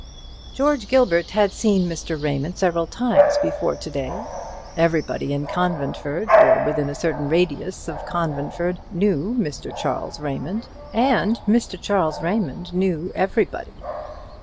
George Gilbert had seen Mr. Raymond several times before to day. Everybody in Conventford, or within a certain radius of Conventford, knew Mr. Charles Raymond; and Mr. Charles Raymond knew everybody.